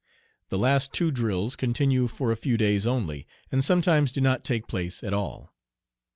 The last two drills continue for a few days only, and sometimes do not take place at all.